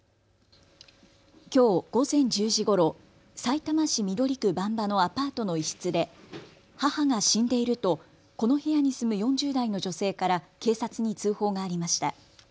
きょう午前１０時ごろさいたま市緑区馬場のアパートの一室で母が死んでいるとこの部屋に住む４０代の女性から警察に通報がありました。